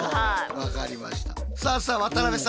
分かりました。